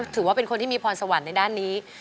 ถือว่าเป็นคนที่มีพรสวรรค์ในด้านนี้